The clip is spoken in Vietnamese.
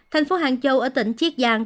thành phố hàng châu ở tỉnh chiết giang